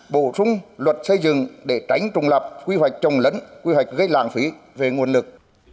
bộ trung luật xây dựng để tránh trùng lập quy hoạch trồng lấn quy hoạch gây lạng phí về nguồn lực